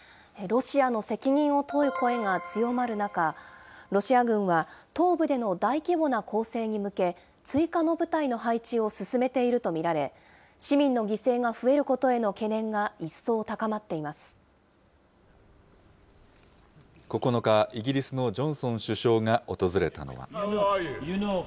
ロシアの責任を問う声が強まる中、ロシア軍は東部での大規模な攻勢に向け、追加の部隊の配置を進めていると見られ、市民の犠牲が増えること９日、イギリスのジョンソン首相が訪れたのは。